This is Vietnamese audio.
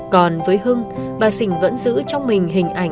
còn với hưng bà sỉnh vẫn giữ trong mình hình ảnh